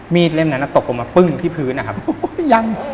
มีดเล่มนั้นตกลงมาพึ่งที่พื้น